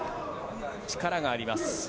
力があります。